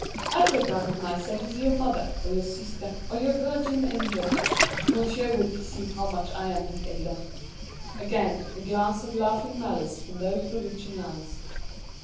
"I regarded myself as your mother, or your sister, or your guardian angel. Monsieur will perceive how much I am the elder." Again, a glance of laughing malice from those bewitching eyes.